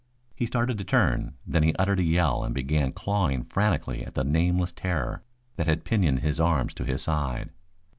He started to turn, then he uttered a yell and began clawing frantically at the nameless terror that had pinioned his arms to his side.